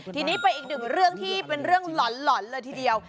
ทีนี้ไปอีกหนึ่งเรื่องที่เป็นเรื่องหล่อนเลยทีเดียว